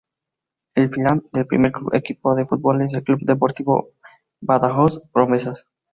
El filial del primer equipo de fútbol es el Club Deportivo Badajoz Promesas.